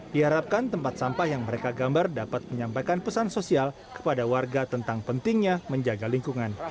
diharapkan tempat sampah yang mereka gambar dapat menyampaikan pesan sosial kepada warga tentang pentingnya menjaga lingkungan